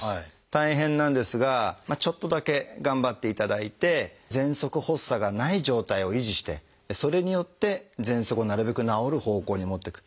大変なんですがちょっとだけ頑張っていただいてぜんそく発作がない状態を維持してそれによってぜんそくをなるべく治る方向にもってく。